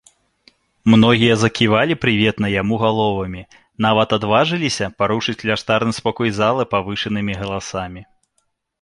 Многія заківалі прыветна яму галовамі, нават адважыліся парушыць кляштарны спакой залы павышанымі галасамі.